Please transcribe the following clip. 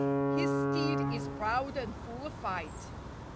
His steed is proud and full of fight.